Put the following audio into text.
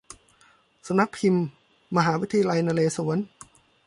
สำนักพิมพ์มหาวิทยาลัยนเรศวร